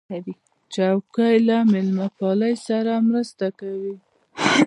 چوکۍ له میلمهپالۍ سره مرسته کوي.